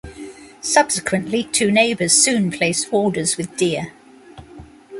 Subsequently two neighbors soon placed orders with Deere.